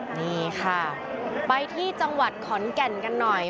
นี่ค่ะไปที่จังหวัดขอนแก่นกันหน่อย